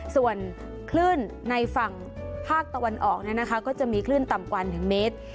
ส่วนคลื่นในฝั่งภาคตะวันออกก็จะมีคลื่นต่ำกว่า๑เมตร